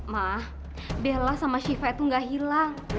mah bella sama shiva itu gak hilang